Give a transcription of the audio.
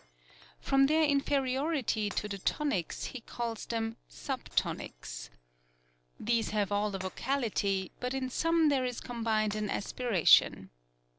From their inferiority to the tonics he calls them sub tonics. These have all a vocality, but in some there is combined an aspi ration.